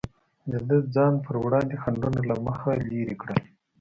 ده د ځان پر وړاندې خنډونه له مخې لرې کړل.